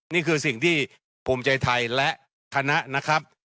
นี่คือสิ่งที่ภูมิใจไทยและคณะนะครับ